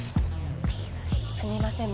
すみません